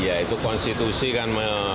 iya itu konstitusi kan